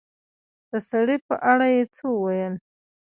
د سړي په اړه يې څه وويل